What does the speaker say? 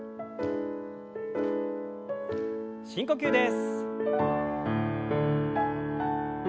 深呼吸です。